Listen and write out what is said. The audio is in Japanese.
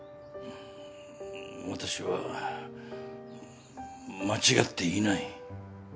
私は間違っていない。